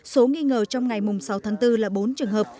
số nghi ngờ trong ngày sáu tháng bốn là bốn trường hợp